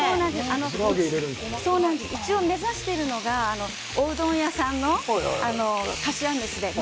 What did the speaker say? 目指しているのがおうどん屋さんの、かしわ飯です。